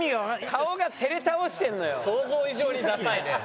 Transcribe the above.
顔が照れ倒してるのよ。